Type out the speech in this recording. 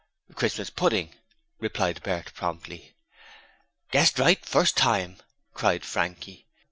'Christmas pudding,' replied Bert, promptly. 'Guessed right first time!' cried Frankie.